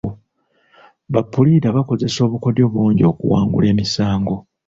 Ba puliida bakozesa obukodyo bungi okuwangula emisango.